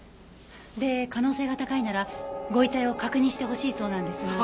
で可能性が高いならご遺体を確認してほしいそうなんですが。